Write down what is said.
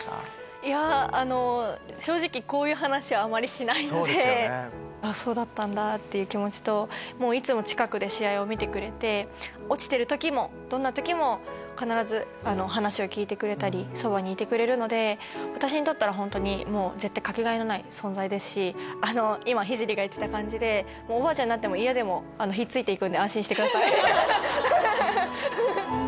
いやあの正直こういう話あまりしないのであぁそうだったんだっていう気持ちともういつも近くで試合を見てくれて落ちてる時もどんな時も必ず話を聞いてくれたりそばにいてくれるので私にとったらホントにもう絶対かけがえのない存在ですし今聖が言ってた感じでおばあちゃんになっても嫌でもひっついて行くんで安心してくださいフフフフ。